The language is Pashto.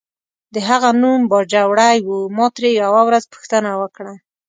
د هغه نوم باجوړی و، ما ترې یوه ورځ پوښتنه وکړه.